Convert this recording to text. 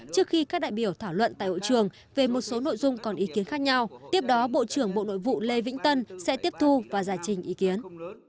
trước khi các đại biểu thảo luận tại hội trường về một số nội dung còn ý kiến khác nhau tiếp đó bộ trưởng bộ nội vụ lê vĩnh tân sẽ tiếp thu và giải trình ý kiến